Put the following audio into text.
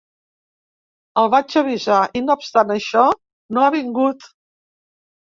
El vaig avisar i, no obstant això, no ha vingut.